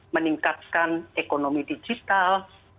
meningkatkan ekonomi digital